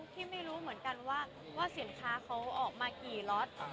พี่ไม่รู้เหมือนกันว่าสินค้าเขาออกมากี่ล็อต